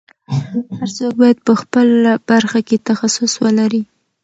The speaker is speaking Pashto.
هر څوک باید په خپله برخه کې تخصص ولري.